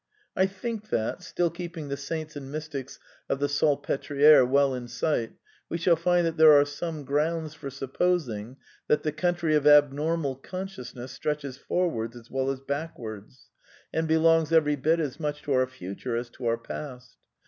' I think that — still keeping the saints and mystics of the Salpetriere well in sight — we shall find that there are some grounds for supposing that the country of abnormal consciousness stretches forwards as well as backwards, and ^^longs every bit as much to our future as to our past.